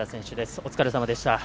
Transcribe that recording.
お疲れさまでした。